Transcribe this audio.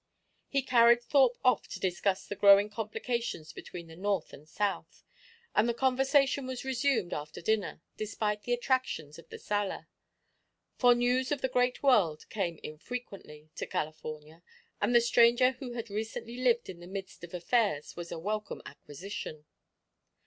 He carried Thorpe off to discuss the growing complications between the North and South; and the conversation was resumed after dinner, despite the attractions of the sala; for news of the great world came infrequently to California, and the stranger who had recently lived in the midst of affairs was a welcome acquisition.